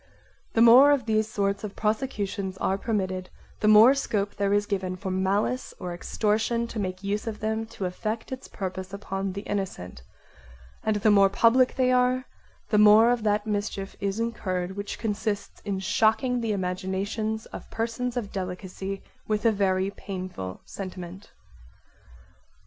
The more of these sorts of prosecutions are permitted the more scope there is given for malice or extortion to make use of them to effect its purpose upon the innocent, and the more public they are the more of that mischief is incurred which consists in shocking the imaginations of persons of delicacy with a very painful sentiment.